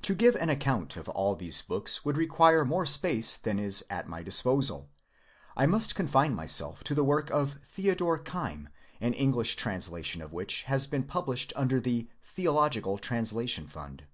To give an account of all these books would require more space than is at my disposal. I must confine myself to the work of Theodor Keim, an English translation of which has been published under the " Theological Translation Fund."